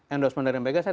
endorsement dari mpega saya